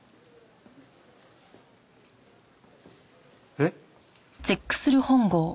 えっ？